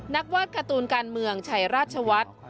วาดการ์ตูนการเมืองชัยราชวัฒน์